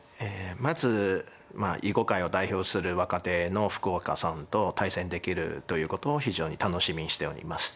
まず囲碁界を代表する若手の福岡さんと対戦できるということを非常に楽しみにしております。